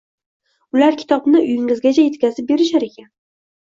Ular kitobni uyingizgacha yetkazib berishar ekan.